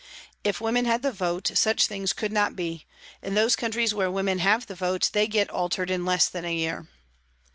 If women had the vote such things could not be ; in those countries where women have the vote they get altered in less than a year."